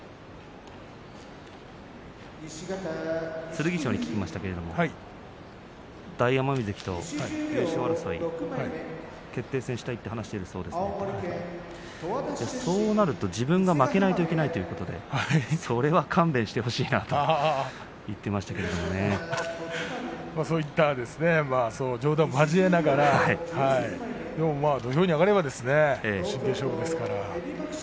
剣翔に聞きましたけれど大奄美関と優勝争い決定戦をしたいと話しているそうですがそうなると自分が負けないといけないということでそれは勘弁してほしいなとそういった冗談を交えながらでも土俵に上がれば真剣勝負ですから。